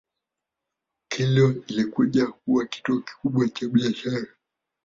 Kilwa ilikuja kuwa kituo kikubwa cha biashara